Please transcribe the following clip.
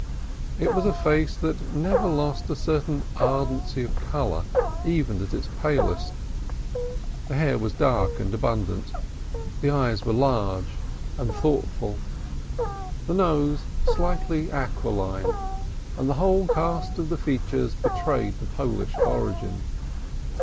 It was a face that never lost a certain ardency of color even at its palest: the hair was dark and abundant, the eyes were large and thoughtful, the nose slightly aquiline and the whole cast of the features betrayed the Polish origin.